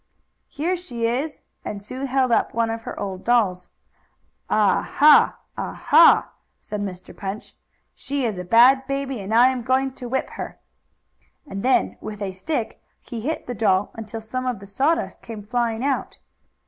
"Here she is!" and Sue held up one of her old dolls. "Ah, ha! Ah, ha!" said Mr. Punch. "She is a bad baby, and I am going to whip her!" And then, with a stick, he hit the doll until some of the sawdust came flying out.